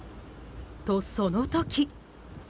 と、その時。